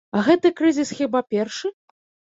А гэты крызіс хіба першы?